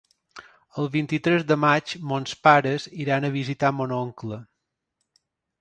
El vint-i-tres de maig mons pares iran a visitar mon oncle.